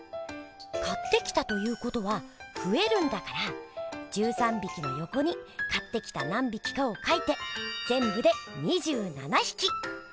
買ってきたということはふえるんだから１３びきのよこに買ってきた何びきかを書いてぜんぶで２７ひき。